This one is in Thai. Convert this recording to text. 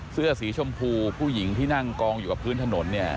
เสื้อสีชมพูผู้หญิงที่นั่งกองอยู่กับพื้นถนนเนี่ย